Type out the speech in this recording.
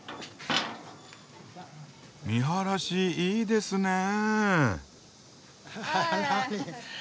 見晴らしいいですねえ。